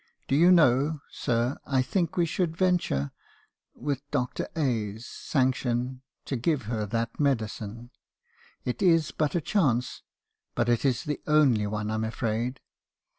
Do you know, sir, I think we should venture — with Dr. — 's sanction — to give her that medicine. It is but a chance ; but it is the only one , I 'm afraid.'